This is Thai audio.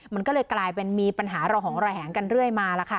มันก็เลยกลายเป็นมีปัญหาระหองระแหงกันเรื่อยมาแล้วค่ะ